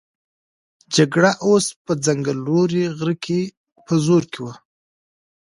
جګړه اوس په څنګلوري غره کې په زور کې وه.